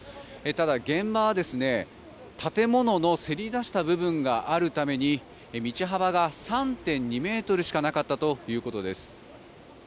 ただ、現場は建物のせり出した部分があるために道幅が３．２ｍしかなかったということです。